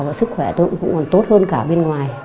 và sức khỏe tôi cũng còn tốt hơn cả bên ngoài